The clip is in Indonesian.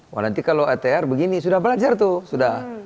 wah nanti kalau atr begini sudah belajar tuh sudah